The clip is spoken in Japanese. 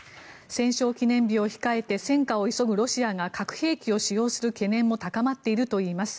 戦勝記念日を控えて戦果を急ぐロシアが核兵器を使用する懸念も高まっているといいます。